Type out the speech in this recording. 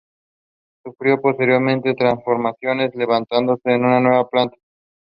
Muhammad sought the support of the Berbers to make war on the Fatimids.